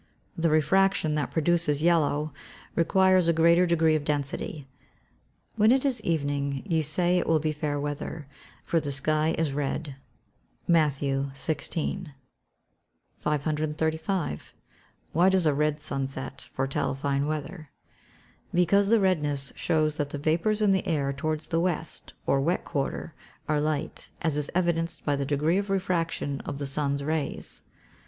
The refraction that produces yellow requires a greater degree of density. [Verse: "When it is evening ye say it will be fair weather, for the sky is red." MATT. XVI.] 535. Why does a red sunset foretell fine weather? Because the redness shows that the vapours in the air towards the West, or wet quarter, are light, as is evidenced by the degree of refraction of the sun's rays.